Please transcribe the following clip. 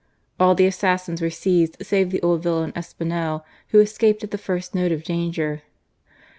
All the assassins were seized save the old villain, Espinel, who escaped at the first note of danger.